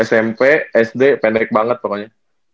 smp sd pendek banget pokoknya